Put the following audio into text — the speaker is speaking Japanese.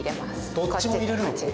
どっちも入れるの？